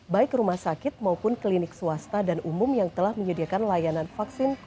baik rumah sakit maupun klinik swasta dan umum yang telah menyediakan layanan vaksin